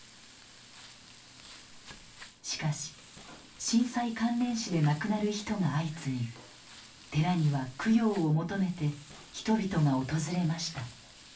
しかし震災関連死で亡くなる人が相次ぎ寺には供養を求めて人々が訪れました。